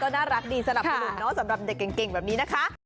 ก็น่ารักสนุนสำหรับเด็กเก่งแบบนี้นะคะ